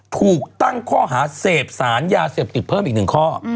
ถูกตั้งข้อหาเศษฐ์ศาลยาเศษฐ์ติดเพิ่มอีก๑ข้อ